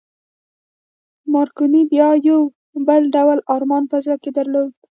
مارکوني بیا یو بل ډول ارمان په زړه کې درلود